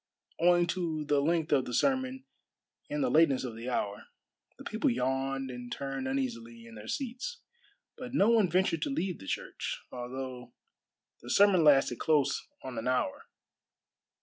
Owing to the length of the sermon and the lateness of the hour, the people yawned and turned uneasily in their seats. But no one ventured to leave the church, although the sermon lasted close on an hour.